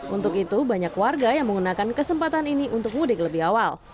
untuk itu banyak warga yang menggunakan kesempatan ini untuk mudik lebih awal